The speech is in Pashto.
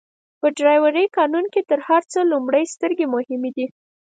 په ډرایورۍ قانون کي تر هر څه لومړئ سترګي مهمه دي.